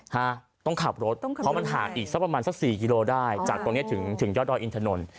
ฮะต้องขับรถเพราะมันห่างอีกสักประมาณสักสี่กิโลได้จากตรงเนี้ยถึงถึงยอดดอยอินถนน